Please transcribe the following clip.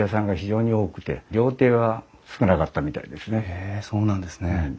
へえそうなんですね。